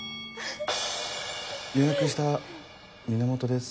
予約した源です。